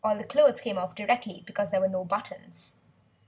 The clothes all came off directly, because there were no buttons.